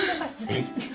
えっ？